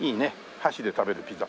箸で食べるピザ。